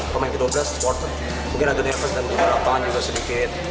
pemain ke dua belas supporter mungkin ada nervous dan juga lapangan juga sedikit